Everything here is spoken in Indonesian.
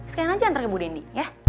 sekian aja ntar ke bu dendi